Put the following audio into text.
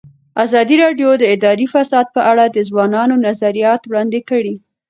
ازادي راډیو د اداري فساد په اړه د ځوانانو نظریات وړاندې کړي.